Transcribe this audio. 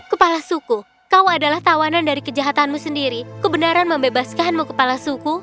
kepala suku kau adalah tawanan dari kejahatanmu sendiri kebenaran membebaskanmu kepala suku